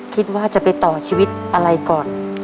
คิดว่าจะไปต่อชีวิตอะไรก่อน